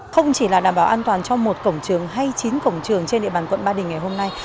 không chỉ là đảm bảo an toàn cho một cổng trường hay chín cổng trường trên địa bàn quận ba đình ngày hôm nay